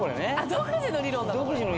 独自の理論なの？